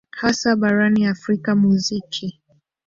hasa barani afrika muziki